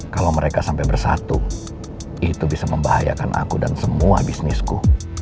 kalau mereka sampai bersatu itu bisa membahayakan aku dan semua bisnisku